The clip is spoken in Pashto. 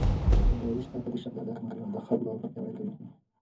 اداري شفافیت د شک فضا کموي او د خلکو باور پیاوړی کوي